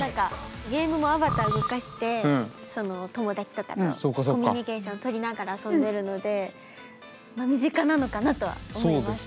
ゲームもアバター動かして友達とかとコミュニケーションとりながら遊んでるのでまあ身近なのかなとは思います。